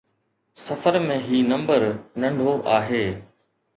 سفر ۾ هي نمبر ننڍو آهي